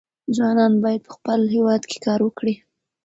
ځوانان باید په خپل هېواد کې کار وکړي.